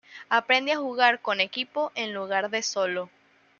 Aprende a jugar con equipo en lugar de solo.